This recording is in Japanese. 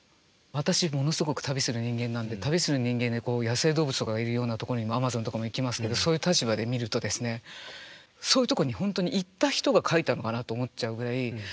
私ものすごく旅する人間なんで旅する人間で野生動物とかがいるようなところにアマゾンとかも行きますけどそういう立場で見るとそういうとこに本当に行った人が書いたのかなと思っちゃうぐらい。